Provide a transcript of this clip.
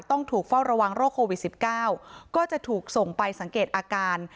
ต้องถูกเฝ้าระวังโรคโควิด๑๙ก็จะถูกส่งไปสังเกตอาการ